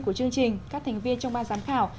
của chương trình các thành viên trong ban giám khảo